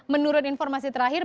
menurut informasi terakhir